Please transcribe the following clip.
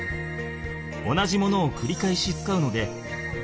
同じものをくり返し使うのでリユース。